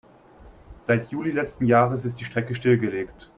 Seit Juli letzten Jahres ist die Strecke stillgelegt.